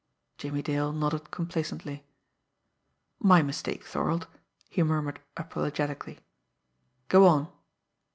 Jimmie Dale nodded complacently. "My mistake, Thorold," he murmured apologetically. "Go on!"